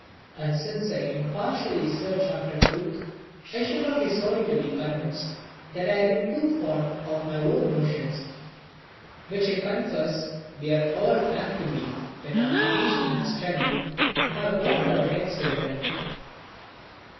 And since I impartially search after truth, I shall not be sorry to be convinced, that I have been too fond of my own notions; which I confess we are all apt to be, when application and study have warmed our heads with them.